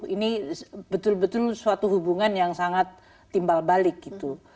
ini betul betul suatu hubungan yang sangat timbal balik gitu